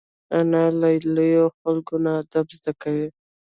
انا له لویو خلکو نه ادب زده کوي